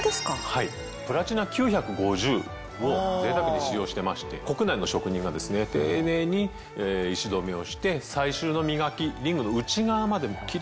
はいプラチナ９５０をぜいたくに使用してまして国内の職人が丁寧に石留めをして最終の磨きリングの内側までもキレイに磨いてあるので